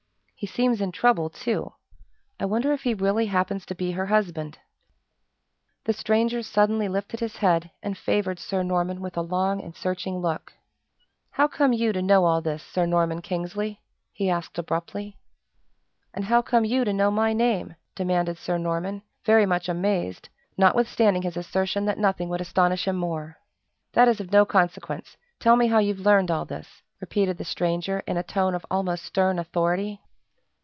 He seems in trouble, too. I wonder if he really happens to be her husband?" The stranger suddenly lifted his head and favored Sir Norman with a long and searching look. "How come you to know all this, Sir Norman Kingsley," he asked abruptly. "And how come you to know my name?" demanded Sir Norman, very much amazed, notwithstanding his assertion that nothing would astonish him more. "That is of no consequence! Tell me how you've learned all this?" repeated the stranger, in a tone of almost stern authority.